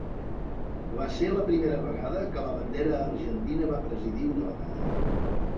Va ser la primera vegada que la bandera argentina va presidir una batalla.